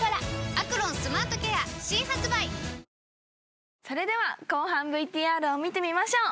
「アクロンスマートケア」新発売！それでは後半 ＶＴＲ を見てみましょう。